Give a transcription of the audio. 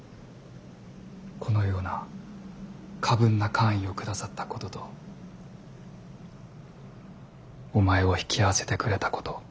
このような過分な官位を下さったこととお前を引き合わせてくれたこと。は。